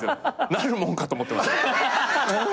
なるもんかと思ってます。